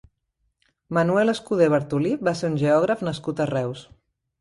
Manuel Escudé Bartolí va ser un geògraf nascut a Reus.